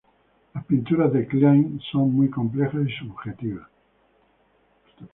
Las pinturas de Kline son muy complejas y subjetivas.